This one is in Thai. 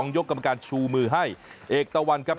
ยกกรรมการชูมือให้เอกตะวันครับ